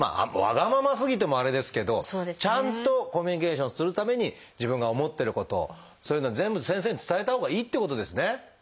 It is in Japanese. わがまますぎてもあれですけどちゃんとコミュニケーションするために自分が思ってることそういうのを全部先生に伝えたほうがいいってことですね。